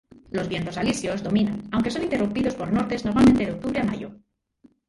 Los vientos alisios dominan, aunque son interrumpidos por "nortes" normalmente de octubre a mayo.